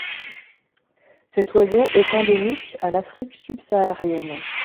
Cet oiseau est endémique à l'Afrique subsaharienne.